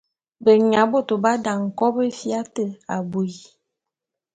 Benya bôto b’adane kòbo éfia te abui.